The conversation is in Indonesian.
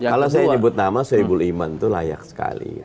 kalau saya nyebut nama soebul iman itu layak sekali